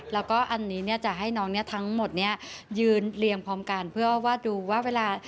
แล้วก็อันนี้จะให้น้องทั้งหมดยืนเรียงพร้อมกันเพื่อดูว่าเวลา